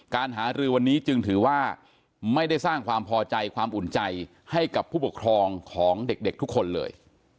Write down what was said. การหารือวันนี้จึงถือว่าไม่ได้สร้างความพอใจความอุ่นใจให้กับผู้ปกครองของเด็กทุกคนเลย